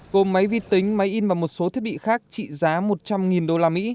gồm máy vi tính máy in và một số thiết bị khác trị giá một trăm linh usd